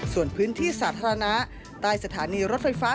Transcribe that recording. ส่วนพื้นที่สาธารณะใต้สถานีรถไฟฟ้า